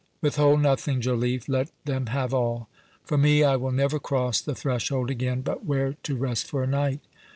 Withhold nothing, Joliffe—let them have all. For me, I will never cross the threshold again—but where to rest for a night?